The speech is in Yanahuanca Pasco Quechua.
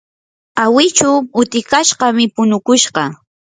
awichu utikashqami punukushqa.